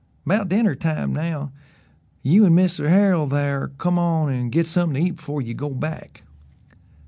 'Bout dinner time now. You an' Mr. Hale thar come on and git somethin' to eat afore ye go back."